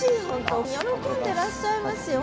喜んでらっしゃいますよ